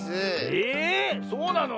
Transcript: えそうなの？